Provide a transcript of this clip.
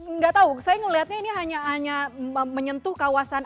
nggak tahu saya melihatnya ini hanya hanya menyentuh kawasan